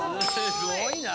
すごいなあ。